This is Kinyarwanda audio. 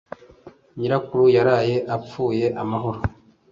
Nyirakuru yaraye apfuye amahoro.